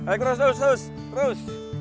ayo terus terus terus